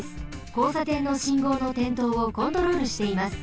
こうさてんの信号のてんとうをコントロールしています。